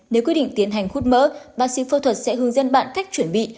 nếu quyết định tiến hành hút mỡ bác sĩ phẫu thuật sẽ hướng dẫn bạn cách chuẩn bị